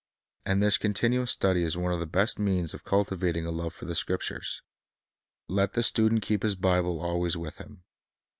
And this continuous study is one of the best means of cultivating a love for the Scriptures. Let the student keep his Bible always with him.